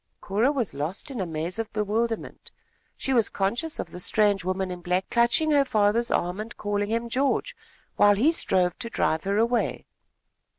Cora was lost in a maze of bewilderment. She was conscious of the strange woman in black clutching her father's arm and calling him George, while he strove to drive her away.